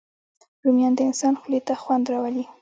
رومیان د انسان خولې ته خوند راولي